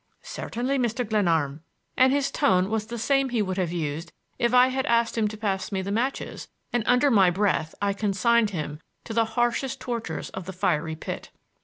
"Certainly, Mr. Glenarm,"—and his tone was the same he would have used if I had asked him to pass me the matches, and under my breath I consigned him to the harshest tortures of the fiery pit.